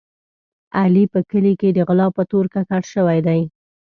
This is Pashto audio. علي په کلي کې د غلا په تور ککړ شوی دی.